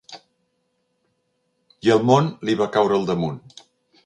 I el món li va caure al damunt.